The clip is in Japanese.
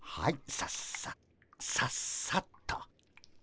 さっさっさっさっと。